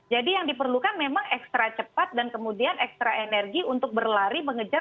jadi yang diperlukan memang ekstra cepat dan kemudian ekstra energi untuk berlari mengejar